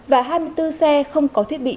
và hai mươi bốn xe không có thiết bị